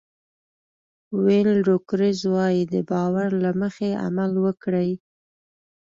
ویل روګرز وایي د باور له مخې عمل وکړئ.